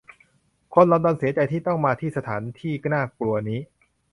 คนลอนดอนเสียใจที่ต้องมาที่สถานที่น่ากลัวนี้